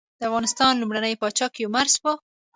د افغانستان لومړنی پاچا کيومرث وه.